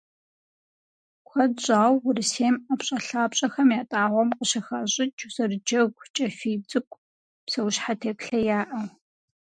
Куэд щӀауэ Урысейм ӀэпщӀэлъапщӀэхэм ятӀагъуэм къыщыхащӀыкӀ зэрыджэгу, кӀэфий цӀыкӀу, псэущхьэ теплъэяӀэу.